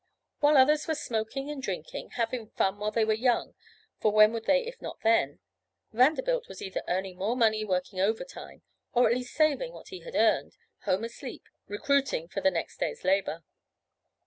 While others were smoking and drinking, 'having fun while they were young, for when would they if not then?' Vanderbilt was either earning more money working over time, or at least saving what he had earned, home asleep recruiting for the next day's labor.